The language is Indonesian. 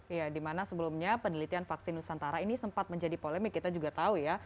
ya dimana sebelumnya penelitian vaksin nusantara ini sempat menjadi polemik kita juga tahu ya